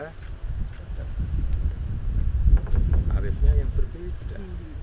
harifnya yang berbeda